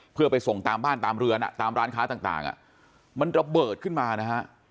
เพื่อไปส่งตามบ้านตามเรือนตามร้านค้าต่างมันระเบิดขึ้นมานะฮะ